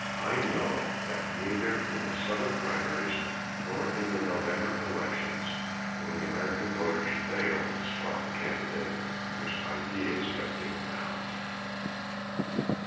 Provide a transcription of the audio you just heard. I know that neither in the summer primaries nor in the November elections will the American voters fail to spot the candidate whose ideas have given out.